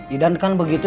idan kan begitu